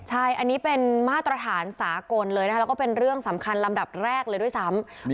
ใช่อันนี้เป็นมาตรฐานสากลเลยนะคะแล้วก็เป็นเรื่องสำคัญลำดับแรกเลยด้วยซ้ำ